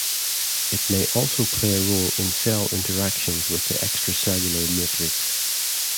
It may also play a role in cell interactions with the extracellular matrix.